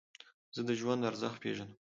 زه د ژوند ارزښت پېژنم.